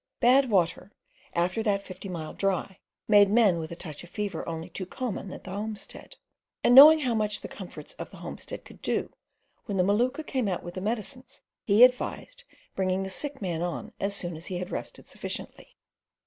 Bad water after that fifty mile dry made men with a touch of fever only too common at the homestead, and knowing how much the comforts of the homestead could do, when the Maluka came out with the medicines he advised bringing the sick man on as soon as he had rested sufficiently.